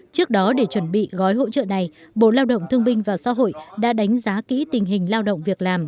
trước đó để chuẩn bị gói hỗ trợ này bộ lao động thương binh và xã hội đã đánh giá kỹ tình hình lao động việc làm